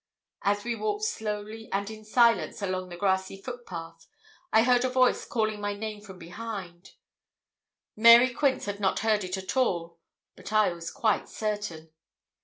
As we walked slowly and in silence along the grassy footpath, I heard a voice calling my name from behind. Mary Quince had not heard it at all, but I was quite certain.